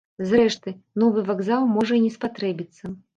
Зрэшты, новы вакзал можа і не спатрэбіцца.